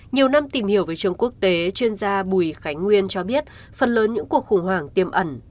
nhiều năm tìm hiểu về trường quốc tế chuyên gia bùi khánh nguyên cho biết phần lớn những cuộc khủng hoảng tiềm ẩn